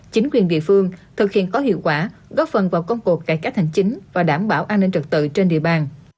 chính quyền địa phương thực hiện có hiệu quả góp phần vào công cuộc cải cách hành chính và đảm bảo an ninh trật tự trên địa bàn